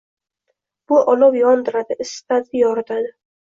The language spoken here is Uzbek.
Bu olov yondiradi, isitadi, yoritadi.